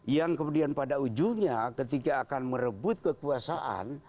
yang kemudian pada ujungnya ketika akan merebut kekuasaan